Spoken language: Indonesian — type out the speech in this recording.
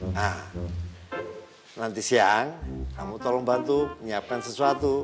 nah nanti siang kamu tolong bantu menyiapkan sesuatu